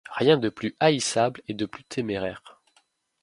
Rien de plus haïssable et de plus téméraire.